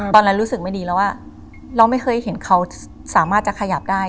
รู้สึกไม่ดีแล้วว่าเราไม่เคยเห็นเขาสามารถจะขยับได้